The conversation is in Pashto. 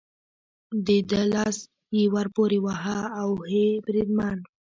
د ده لاس یې ور پورې وواهه، اوهې، بریدمن.